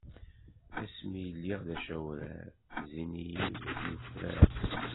Asmi i lliɣ d acawrar, zzin-iw yufrar.